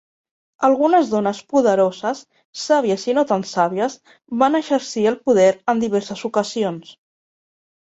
Algunes dones poderoses, sabies i no tan sabies, van exercir el poder en diverses ocasions.